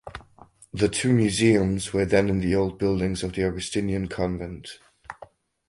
The two museums were then in the old buildings of the Augustinian convent.